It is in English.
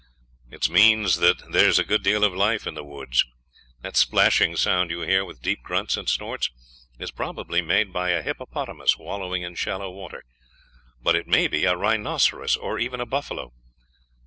"It means that there is a good deal of life in the woods. That splashing sound you hear with deep grunts and snorts, is probably made by a hippopotamus wallowing in shallow water; but it may be a rhinoceros, or even a buffalo.